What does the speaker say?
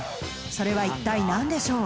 それは一体何でしょう？